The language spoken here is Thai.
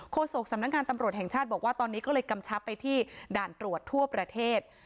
โศกสำนักงานตำรวจแห่งชาติบอกว่าตอนนี้ก็เลยกำชับไปที่ด่านตรวจทั่วประเทศ